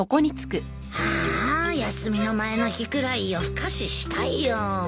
ハア休みの前の日くらい夜更かししたいよ。